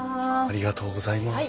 ありがとうございます。